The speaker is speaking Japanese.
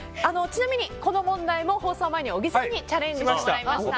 ちなみに、この問題も放送前に小木さんにチャレンジしてもらいました。